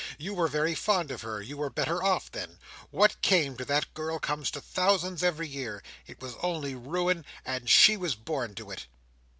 You were very fond of her—you were better off then. What came to that girl comes to thousands every year. It was only ruin, and she was born to it."